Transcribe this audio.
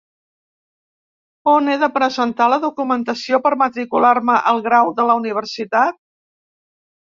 On he de presentar la documentació per matricular-me al grau de la universitat?